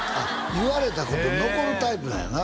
言われたこと残るタイプなんやな？